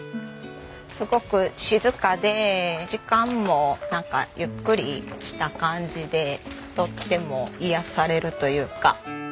すごく静かで時間もなんかゆっくりした感じでとっても癒やされるというか。